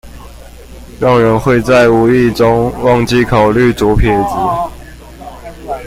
讓人會在無意中忘記考慮左撇子